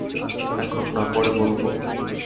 এখন না, পরে বলব।